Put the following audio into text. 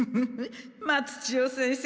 松千代先生